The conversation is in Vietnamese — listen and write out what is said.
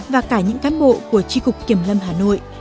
và cả những cán bộ của tri cục kiểm lâm hà nội